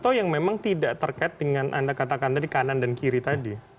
atau yang memang tidak terkait dengan anda katakan tadi kanan dan kiri tadi